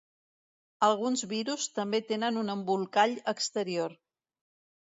Alguns virus també tenen un embolcall exterior.